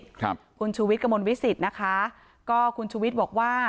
ครับคุณชูวิทย์กระมวลวิสิตนะคะก็คุณชูวิทย์บอกว่า